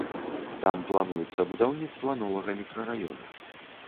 Там плануецца будаўніцтва новага мікрараёна.